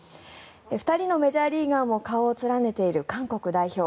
２人のメジャーリーガーも顔を連ねている韓国代表。